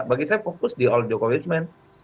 bagi saya fokus di all jokowi's men